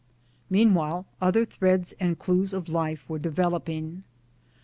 Meanwhile other threads and clues of life were developing.